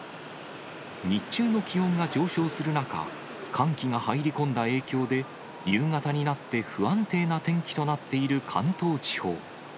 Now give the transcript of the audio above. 日中の気温が上昇する中、寒気が入り込んだ影響で、夕方になって不安定な天気となっている関東地方。